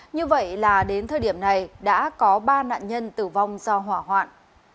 như vậy là đến thời điểm này đã có ba nạn nhân tử vong do hỏa hoạn